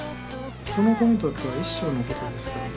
その子にとっては一生のことですからね。